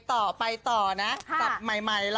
ต้องไปต่อจากใหม่